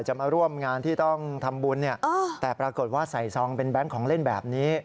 มาร่วมงานที่ต้องทำบุญแต่ปรากฏว่าใส่ซองเป็นแบงค์ของเล่นแบบนี้